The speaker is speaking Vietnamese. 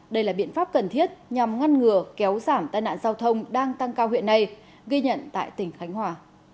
đây là biện pháp cần thiết nhằm ngăn ngừa kéo giảm tai nạn giao thông đang tăng cao hiện nay ghi nhận tại tỉnh khánh hòa